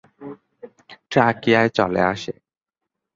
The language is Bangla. ট্রাকিয়ায় চলে আসে।